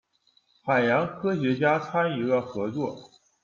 海洋科学家参与了合作。